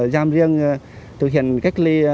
giam riêng thực hiện cách ly